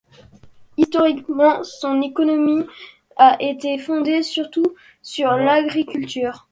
Historiquement son économie a été fondée surtout sur l'agriculture.